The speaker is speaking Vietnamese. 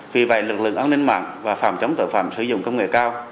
vì vậy lực lượng an ninh mạng và phòng chống tội phạm sử dụng công nghệ cao